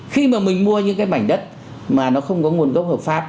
khi mà mình mua những cái mảnh đất mà nó không có nguồn gốc hợp pháp